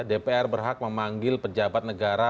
dpr berhak memanggil pejabat negara